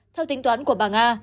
theo tính toán của bà nga